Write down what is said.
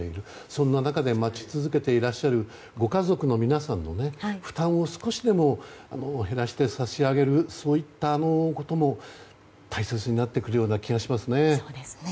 そんな中で待ち続けていらっしゃるご家族の皆さんの負担を少しでも減らして差し上げるそういったことも大切になってくるような気がしますね。